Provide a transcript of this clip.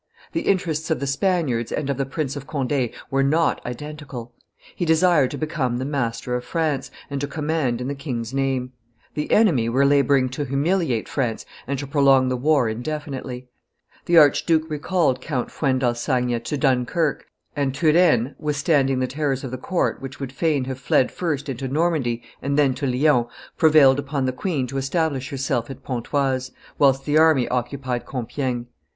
The interests of the Spaniards and of the Prince of Conde were not identical. He desired to become the master of France, and to command in the king's name; the enemy were laboring to humiliate France and to prolong the war indefinitely: The arch duke recalled Count Fuendalsagna to Dunkerque; and Turenne, withstanding the terrors of the court, which would fain have fled first into Normandy and then to Lyons, prevailed upon the queen to establish herself at Pontoise, whilst the army occupied Compiegne.